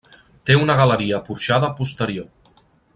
Té una galeria porxada posterior.